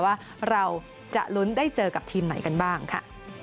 ว่าเราจะลุ้นได้เจอกับทีมไหนกันบ้างค่ะ